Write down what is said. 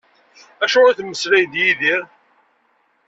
Acuɣer i temmeslay d Yidir?